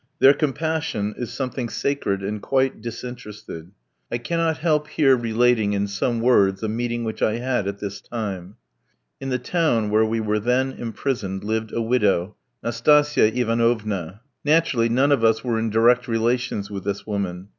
Their compassion is something sacred and quite disinterested. I cannot help here relating in some words a meeting which I had at this time. In the town where we were then imprisoned lived a widow, Nastasia Ivanovna. Naturally, none of us were in direct relations with this woman.